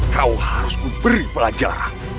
kau harus memberi pelajaran